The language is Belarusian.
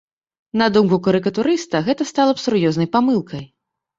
На думку карыкатурыста, гэта стала б сур'ёзнай памылкай.